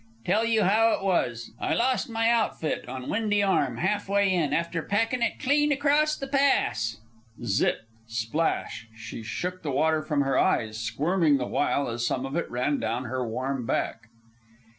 Tell you how it was. I lost my outfit on Windy Arm, half way in, after packin' it clean across the Pass " Zip! Splash! She shook the water from her eyes, squirming the while as some of it ran down her warm back.